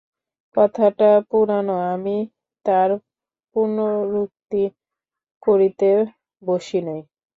কথাটা পুরানো, আমি তার পুনরুক্তি করিতে বসি নাই।